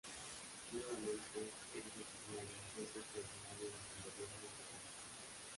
Nuevamente es designado Agente Extraordinario ante el gobierno británico.